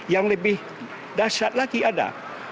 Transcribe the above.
yang lebih dahsyat lagi ada